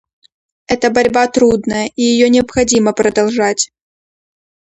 Эта борьба трудная, и ее необходимо продолжать.